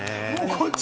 こっち